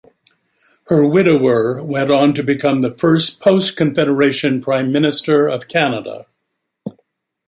Her widower went on to become the first post-Confederation Prime Minister of Canada.